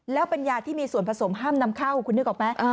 แล้วเป็นยาที่มีส่วนผสมห้ามนำเข้าคุณนึกออกไหม